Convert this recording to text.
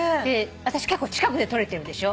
私結構近くで撮れてるでしょ。